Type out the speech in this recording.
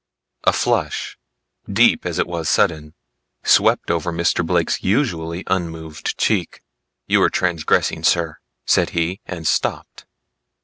A flush, deep as it was sudden, swept over Mr. Blake's usually unmoved cheek. "You are transgressing sir," said he and stopped.